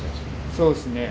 そうですね。